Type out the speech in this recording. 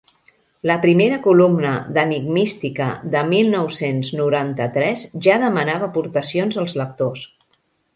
La primera columna d'enigmística de mil nou-cents noranta-tres ja demanava aportacions als lectors.